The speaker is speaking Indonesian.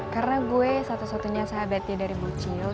karena gue satu satunya sahabatnya dari bu cil